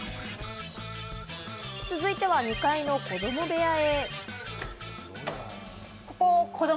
続いては２階の子供部屋へ。